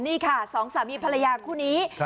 นี่ค่ะสองสามีภรรยาคู่นี้